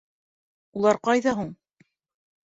Улар ҡайҙа һуң?